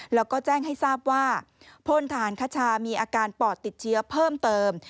แล้วก็แจ้งให้ทราบว่าพลทหารคชามีอาการปอดติดเชื้อเพิ่มเติม